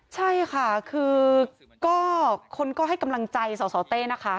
ใช่ค่ะคือก็คนก็ให้กำลังใจสสเต้นะคะ